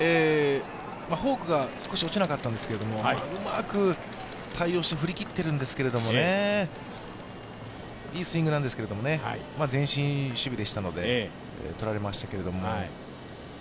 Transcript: フォークが少し落ちなかったんですけれどもうまく対応して振り切ってるんですけどもね、いいスイングなんですけれども、前進守備でしたので取られましたけど。